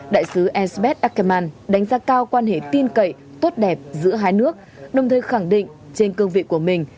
đại sứ esbeth ackerman đánh giá cao quan hệ tin cậy tốt đẹp giữa hai nước đồng thời khẳng định trên cương vị của mình